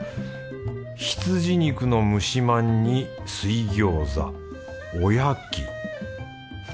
羊肉の蒸しまんに水餃子おやき。